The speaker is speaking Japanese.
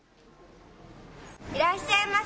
いらっしゃいませ。